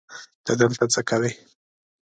ته دلته څه کوې؟